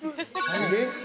えっ！